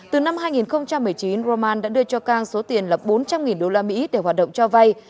từ năm hai nghìn một mươi chín roman đã đưa cho cang số tiền lập bốn trăm linh usd để hoạt động cho vay